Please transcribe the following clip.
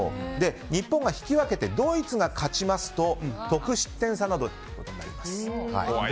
日本が引き分けてドイツが勝ちますと得失点差です。